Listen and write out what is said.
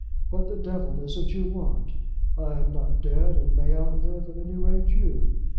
What the devil is it you want? I am not dead, and may outlive at any rate you.